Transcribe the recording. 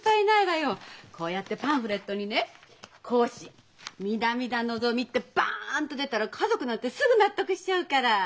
こうやってパンフレットにね「講師南田のぞみ」ってバンと出たら家族なんてすぐ納得しちゃうから。